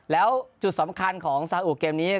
แล้วจุดสำคัญของซาอุเกมนี้